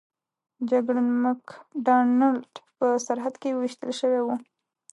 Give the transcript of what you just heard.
جګړن مک ډانلډ په سرحد کې ویشتل شوی و.